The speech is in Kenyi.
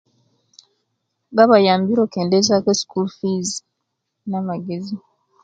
Babayambire okendezeyaku eskul fis, namagezi